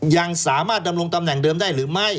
ยังสามารถดำรงตำแหน่งเดิมได้หรือไม่